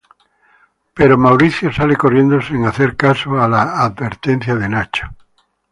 Pero Mauricio sale corriendo sin hacer caso a la advertencia de Nacho.